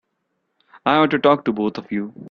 I want to talk to both of you.